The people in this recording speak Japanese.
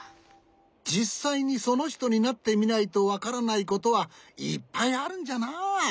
じっさいにそのひとになってみないとわからないことはいっぱいあるんじゃな。